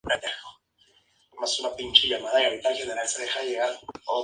Pero aún existen varios que sobreviven hasta el día de hoy.